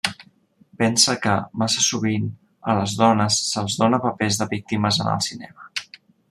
Pensa que, massa sovint, a les dones se'ls dona papers de víctimes en el cinema.